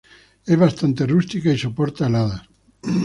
Es bastante rústica y soporta heladas.